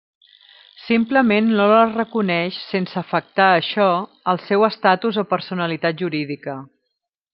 Simplement no les reconeix sense afectar això al seu estatus o personalitat jurídica.